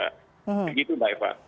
begitu mbak eva